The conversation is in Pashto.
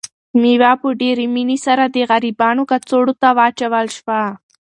مېوه په ډېرې مینې سره د غریبانو کڅوړو ته واچول شوه.